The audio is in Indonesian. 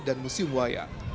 dan museum wayang